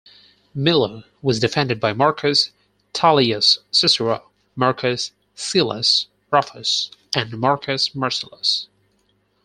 Milo was defended by Marcus Tullius Cicero, Marcus Caelius Rufus and Marcus Marcellus.